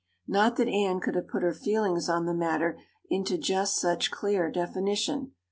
Not that Anne could have put her feelings on the matter into just such clear definition.